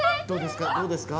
どうですか？